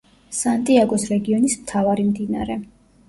სანტიაგოს რეგიონის მთავარი მდინარე.